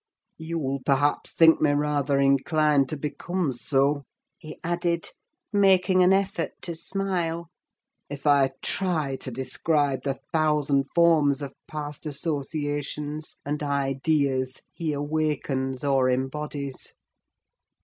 You'll perhaps think me rather inclined to become so," he added, making an effort to smile, "if I try to describe the thousand forms of past associations and ideas he awakens or embodies.